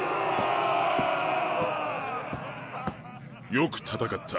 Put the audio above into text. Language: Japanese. よく戦った。